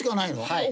はい。